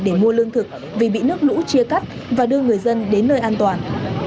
để mua lương thực vì bị nước lũ chia cắt và đưa người dân đến nơi an toàn